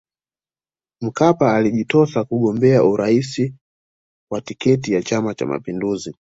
Mkapa alijitosa kugombea urais kwa tiketi ya Chama Cha Mapinduzi